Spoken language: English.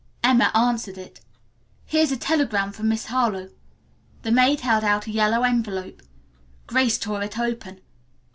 Emma answered it. "Here's a telegram for Miss Harlowe." The maid held out a yellow envelope. Grace tore it open.